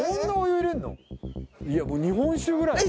いや日本酒ぐらい。